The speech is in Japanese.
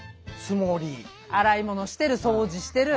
洗い物してる掃除してる。